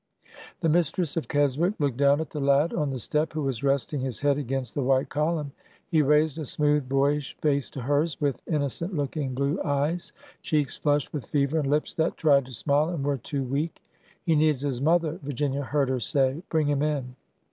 The mistress of Keswick looked down at the lad on the step, who was resting his head against the white column. He raised a smooth boyish face to hers, with innocent looking blue eyes, cheeks flushed with fever, and lips that tried to smile and were too weak. He needs his mother," Virginia heard her say. Bring him in."